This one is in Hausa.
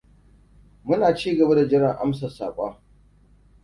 Muna cigaba da jiran amsar saƙon.